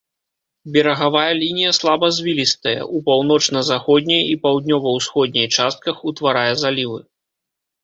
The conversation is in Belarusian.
Берагавая лінія слабазвілістая, у паўночна-заходняй і паўднёва-ўсходняй частках утварае залівы.